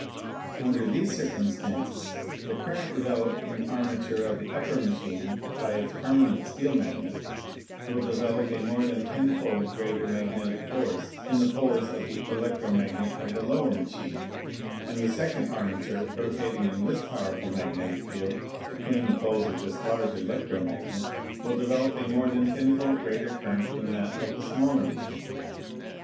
Under these circumstances the current developed 194 ELECTRICITY in the armature of the upper machine by its permanent steel magnets will develop a more than tenfold greater magnetic force in the poles of the electro magnet of the lower machine; and the second armature, rotating in this powerful magnetic field betwen the poles of this large electro magnet, will develop a more than tenfold greater current than that of the smaller machine.